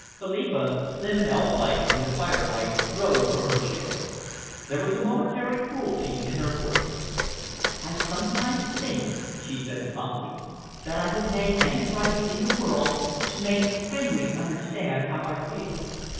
Philippa, slim and elflike in the firelight, rose from her chair. There was a momentary cruelty in her face. "I sometimes think," she said calmly, "that I would pay any price in the world to make Henry understand how I feel.